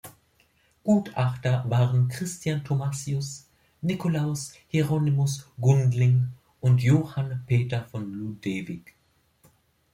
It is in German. Gutachter waren Christian Thomasius, Nikolaus Hieronymus Gundling und Johann Peter von Ludewig.